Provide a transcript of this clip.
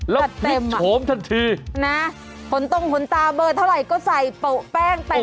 แล้วพริกโฉมทันทีนะผลตรงผลตาเบอร์เท่าไหร่ก็ใส่แป้งแต่งหน้า